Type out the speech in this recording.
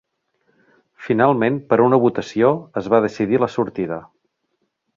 Finalment per una votació es va decidir la sortida.